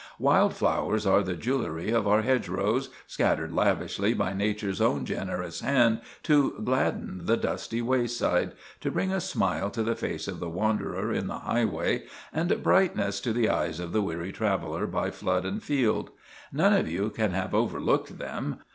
Wild flowers are the jewellery of our hedgerows, scattered lavishly by Nature's own generous hand to gladden the dusty wayside—to bring a smile to the face of the wanderer in the highway, and brightness to the eyes of the weary traveller by flood and field. None of you can have overlooked them.